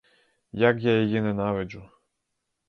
Як я її ненавиджу!